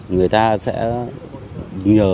người ta sẽ nhờ